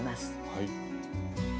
はい。